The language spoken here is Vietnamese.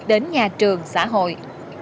đến nhà trường xã hội